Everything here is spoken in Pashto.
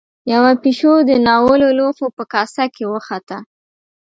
يوه پيشو د ناولو لوښو په کاسه کې وخته.